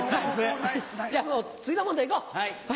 じゃあ次の問題いこう。